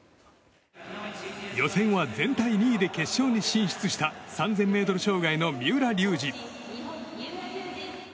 予選は全体２位で決勝に進出した３０００ｍ障害の三浦龍司。